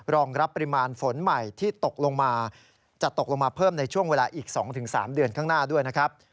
รองรับปริมาณฝนใหม่ที่ตกลงมาจะตกลงมาเพิ่มในช่วงเวลาอีก๒๓เดือนข้างหน้าด้วยนะครับ